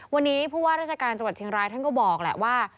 วันนี้ผู้ว่าราชการจังหวัดเชียงรายท่านก็บอกแหละว่า